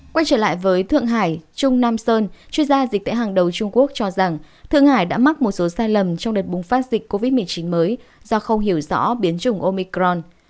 quay trở lại với thượng hải trung nam sơn chuyên gia dịch tễ hàng đầu trung quốc cho rằng thượng hải đã mắc một số sai lầm trong đợt bùng phát dịch covid một mươi chín mới do không hiểu rõ biến chủng omicron